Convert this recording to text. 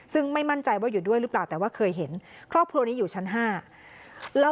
ซึ่งไม่มั่นใจว่าอยู่ด้วยหรือเปล่าแต่ว่าเคยเห็นครอบครัวนี้อยู่ชั้น๕แล้ว